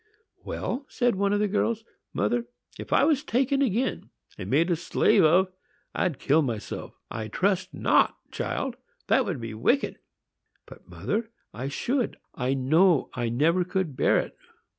"Well," said one of the girls, "mother, if I was taken again and made a slave of, I'd kill myself." "I trust not, child,—that would be wicked." "But, mother, I should; I know I never could bear it."